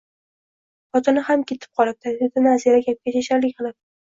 Xotini ham ketib qolibdi, dedi Nazira gapga chechanlik qilib